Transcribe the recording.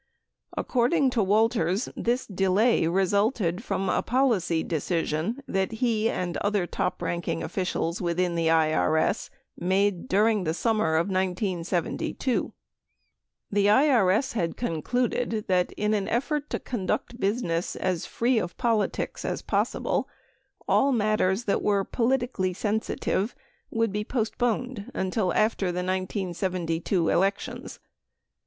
According to Walters, this delay resulted from a policy decision that he and other top ranking officials within the IRS made during the summer of 1972. 94 The IRS had concluded that in an effort to conduct business as free of politics as possible, all mat ters that were politically sensitive would be postponed until after the 1972 elections.